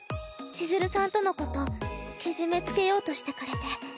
千鶴さんとのことケジメつけようとしてくれて。